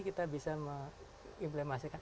kita bisa mengimplemasikan